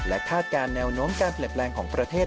คาดการณ์แนวโน้มการเปลี่ยนแปลงของประเทศ